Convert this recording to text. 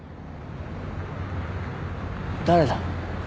誰だ？